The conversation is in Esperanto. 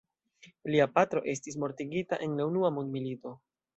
Lia patro estis mortigita en la unua mondmilito.